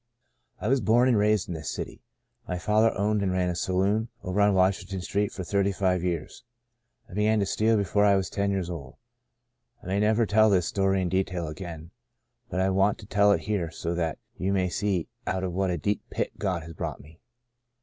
" I was born and raised in this city. My father owned and ran a saloon over on Washington Street for thirty five years. I be gan to steal before I was ten years old. I may never tell this story in detail again, but I want to tell it here so that you may see out of what a deep pit God has brought me.